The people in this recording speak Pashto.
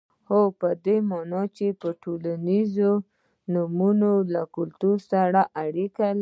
هو په دې معنا چې ټولنیز نورمونه له کلتور سره اړیکه لري.